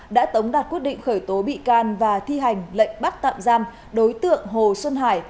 đã tống đạt quyết định khởi tố bị can và thi hành lệnh bắt tạm giam đối tượng hồ xuân hải